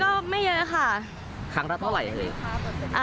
จำนวนก็เบ๊ยเยอะค่ะครั้งละเท่าไหร่เหล่ะ